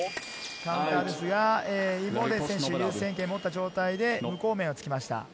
カウンターですが、インボーデン選手、優先権を持った状態で無効面を突きました。